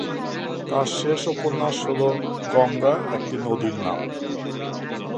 তার শেষ উপন্যাস হল "গঙ্গা একটি নদীর নাম"।